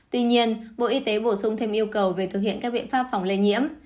tuy nhiên bộ y tế bổ sung thêm yêu cầu về thực hiện các biện pháp phòng lây nhiễm